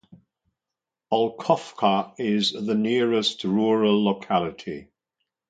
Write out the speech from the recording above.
Olkhovka is the nearest rural locality.